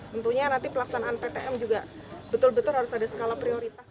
tentunya nanti pelaksanaan ptm juga betul betul harus ada skala prioritas